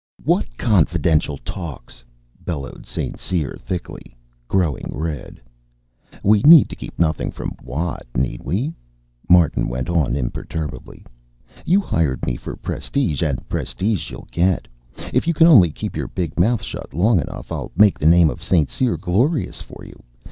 "What confidential talks?" bellowed St. Cyr thickly, growing red. "We need keep nothing from Watt, need we?" Martin went on imperturably. "You hired me for prestige, and prestige you'll get, if you can only keep your big mouth shut long enough. I'll make the name of St. Cyr glorious for you.